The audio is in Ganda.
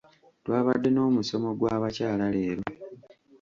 twabadde n'omusomo gw'abakyala leero